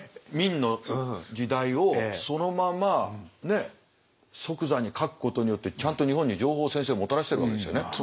明の時代をそのまま即座に描くことによってちゃんと日本に情報を先生もたらしてるわけですよね？